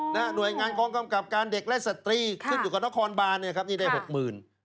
หน่วยงานกองกำกับการเด็กและสตรีขึ้นอยู่กับนครบานเนี่ยครับนี่ได้หกหมื่น